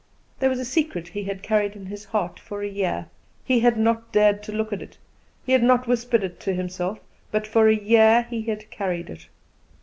There was a secret he had carried in his heart for a year. He had not dared to look at it; he had not whispered it to himself, but for a year he had carried it.